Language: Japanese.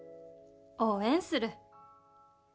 応援する。